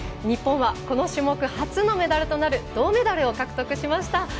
日本は、この種目初のメダル獲得となる銅メダルを獲得しました。